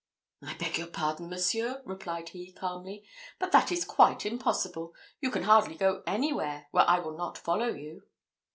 "I beg your pardon, monseigneur," replied he, calmly, "but that is quite impossible. You can hardly go anywhere, where I will not follow you."